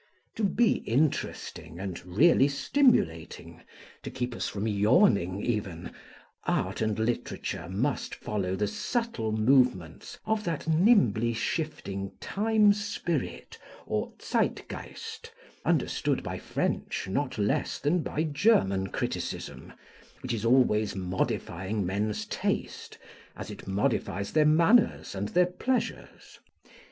To be interesting and really stimulating, to keep us from yawning even, art and literature must follow the subtle movements of that nimbly shifting Time Spirit, or Zeit Geist, understood by French not less than by German criticism, which is always modifying men's taste, as it modifies their manners and their pleasures.